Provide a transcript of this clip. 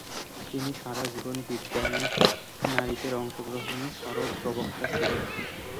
তিনি সারা জীবন বিজ্ঞানে নারীদের অংশগ্রহণের সরব প্রবক্তা ছিলেন।